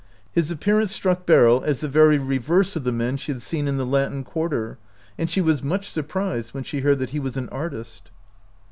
His appearance struck Beryl as the very reverse of the men she had seen in the Latin Quarter, and she was much sur prised when she heard that he was an artist.